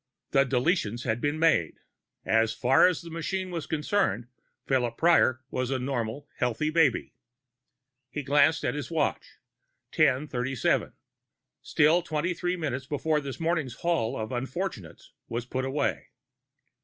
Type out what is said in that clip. The deletions had been made. As far as the machine was concerned, Philip Prior was a normal, healthy baby. He glanced at his watch. 1037. Still twenty three minutes before this morning's haul of unfortunates was put away.